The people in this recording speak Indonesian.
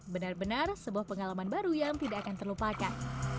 benar benar sebuah pengalaman baru yang tidak akan terlupakan